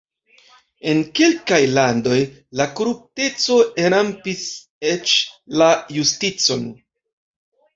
En kelkaj landoj la korupteco enrampis eĉ la justicon.